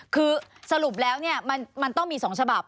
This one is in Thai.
คือสรุปแล้วมันต้องมี๒ฉบับ